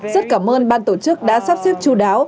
rất cảm ơn ban tổ chức đã sắp xếp chú đáo